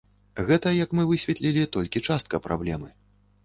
Гэта, як мы высветлілі, толькі частка праблемы.